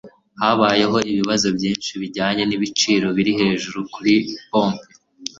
Habayeho ibibazo byinshi bijyanye n'ibiciro biri hejuru kuri pompe.